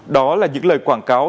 đó là những lời quảng cáo